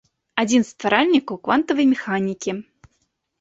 Адзін з стваральнікаў квантавай механікі.